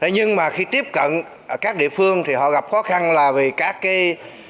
nhưng mà khi tiếp cận các địa phương thì họ gặp khó khăn là vì các cái